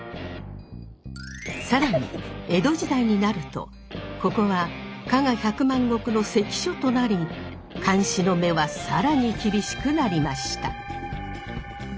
更に江戸時代になるとここは加賀百万石の関所となり監視の目は更に厳しくなりました。